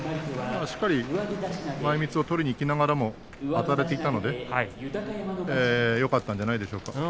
しっかり前みつを取りにいきながらもあたれていたのでよかったんじゃないでしょうか。